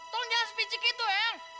tolong jangan sepijik itu eang